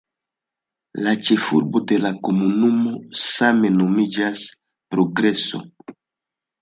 La ĉefurbo de la komunumo same nomiĝas "Progreso".